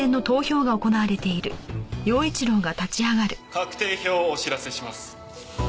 確定票をお知らせします。